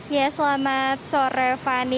ya selamat sore fani